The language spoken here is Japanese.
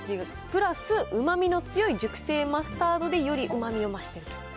プラスうまみの強い熟成マスタードでよりうまみを増していると。